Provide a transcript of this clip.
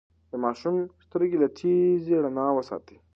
د ماشوم سترګې له تیزې رڼا وساتئ.